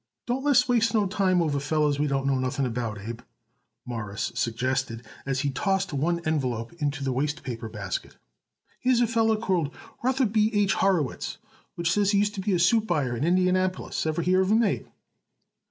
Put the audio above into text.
"Don't let's waste no time over fellers we don't know nothing about, Abe," Morris suggested as he tossed one envelope into the waste paper basket. "Here's a feller called Rutherford B. H. Horowitz, what says he used to be a suit buyer in Indianapolis. Ever hear of him, Abe?"